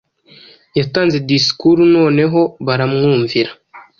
yatanze disikuru noneho baramwumvira